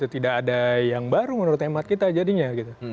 tidak ada yang baru menurut emat kita jadinya